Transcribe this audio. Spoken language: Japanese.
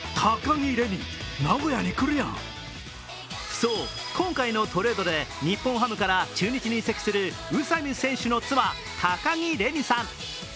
そう、今回のトレードで日本ハムから中日に移籍する宇佐見選手の妻、高城れにさん。